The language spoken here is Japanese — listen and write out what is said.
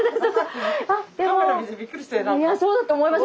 いやそうだと思います。